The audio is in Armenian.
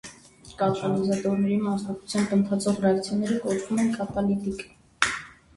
Կատալիզատորների մասնակցությամբ ընթացող ռեակցիաները կոչվում են կատալիտիկ։